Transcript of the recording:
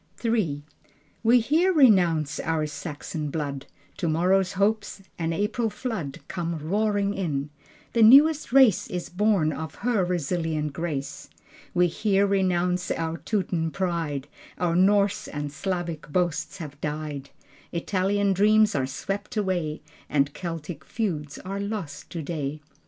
III We here renounce our Saxon blood. Tomorrow's hopes, an April flood Come roaring in. The newest race Is born of her resilient grace. We here renounce our Teuton pride: Our Norse and Slavic boasts have died: Italian dreams are swept away, And Celtic feuds are lost today....